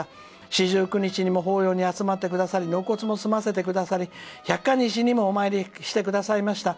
四十九日にも法要に集まってくださり納骨も済ませてくださりお参りをしてくださいました。